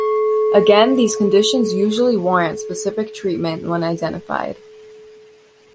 Again, these conditions usually warrant specific treatment when identified.